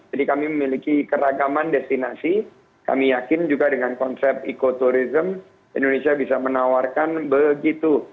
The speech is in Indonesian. jadi kami memiliki keragaman destinasi kami yakin juga dengan konsep ikoturism indonesia bisa menawarkan begitu